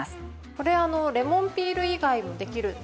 これはあのレモンピール以外もできるんですか？